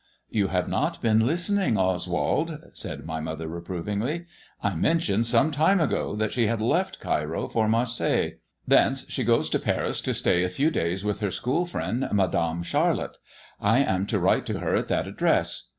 You have not been listening, Oswald," said my mother reprovingly. ''I mentioned some time ago that she had left Cairo for Marseilles. Thence she goes to Paris to stay a few days with her school friend, Madame Charette. I am to write to her at that address.